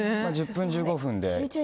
１０分、１５分で。